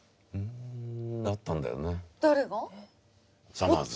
さまぁず。